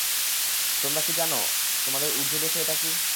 তোমরা কি জান, তোমাদের ঊর্ধ্বদেশে এটা কী?